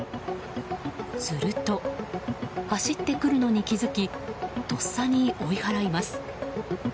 すると、走ってくるのに気づきとっさに追い払います。